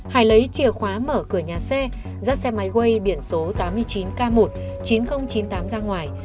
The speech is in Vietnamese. hải lấy chìa khóa mở cửa nhà xe dắt xe máy quay biển số tám mươi chín k một chín nghìn chín mươi tám ra ngoài